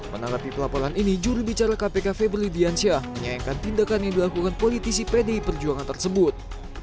menanggapi pelaporan ini jurubicara kpk febri diansyah menyayangkan tindakan yang dilakukan politisi pdi perjuangan tersebut